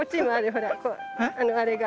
ほらあれが。